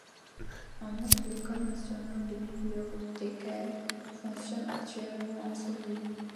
En outre, l'École nationale de bibliothécaires fonctionne actuellement en ces lieux.